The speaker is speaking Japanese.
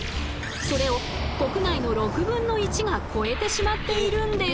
それを国内の６分の１が超えてしまっているんです。